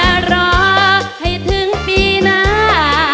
อย่ารอให้ถึงปีหน้า